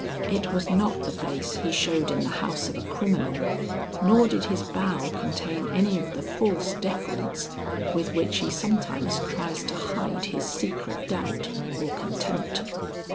It was not the face he showed in the house of a criminal, nor did his bow contain any of the false deference with which he sometimes tries to hide his secret doubt or contempt.